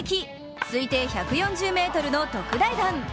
推定１４０ｍの特大弾。